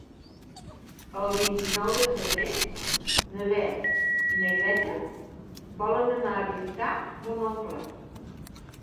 El vint-i-nou de febrer na Beth i na Greta volen anar a visitar mon oncle.